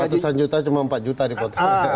ratusan juta cuma empat juta dipotong